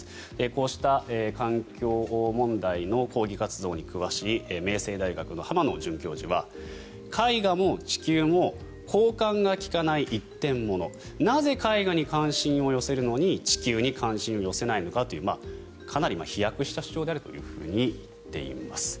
こうした環境法問題の抗議活動に詳しい明星大学の浜野准教授は絵画も地球も交換が利かない一点物なぜ、絵画に関心を寄せるのに地球に関心を寄せないのかというかなり飛躍した主張であるというふうに言っています。